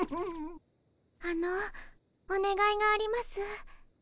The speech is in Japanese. あのおねがいがあります。